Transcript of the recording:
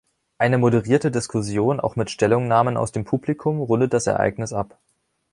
Eine moderierte Diskussion, auch mit Stellungnahmen aus dem Publikum, rundet das Ereignis ab.